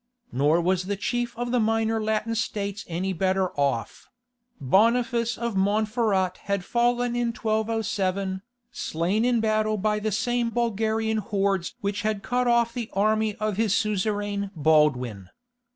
Nor was the chief of the minor Latin states any better off; Boniface of Montferrat had fallen in 1207, slain in battle by the same Bulgarian hordes which had cut off the army of his suzerain Baldwin.